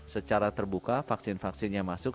secara terbuka vaksin vaksin yang masuk